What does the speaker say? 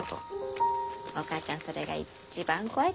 お母ちゃんそれが一番怖いかな。